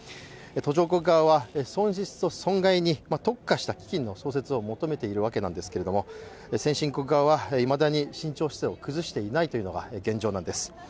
途上国側は損失と損害に特化した基金の創設を求めているわけなんですけれども、先進国側はいまだに慎重姿勢を崩していないのが現状です。